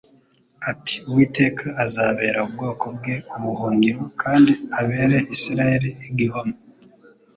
«Ariko Uwiteka azabera ubwoko bwe ubuhungiro kandi abere Isiraeli igihome.»